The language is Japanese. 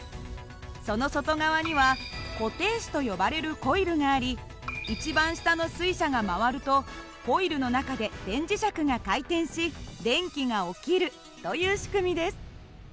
その外側には固定子と呼ばれるコイルがあり一番下の水車が回るとコイルの中で電磁石が回転し電気が起きるという仕組みです。